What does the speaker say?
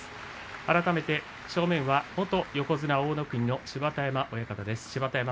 改めて正面は元横綱大乃国の芝田山親方です。